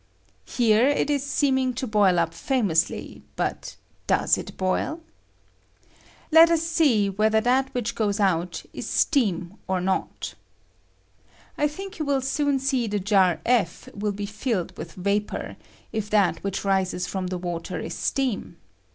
Here it is seeming to boil up famously ; but does it boil? Let ua see whether that 1 »102 DECOMPOSITION OP WATER. I ■wHch goes out ia steam or not. I tliink you I ■will soon see the jar (f) will be filled with J vapor, if that which rises from the water is 1 steam.